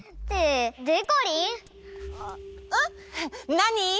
なに？